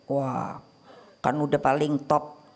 wah kan udah paling top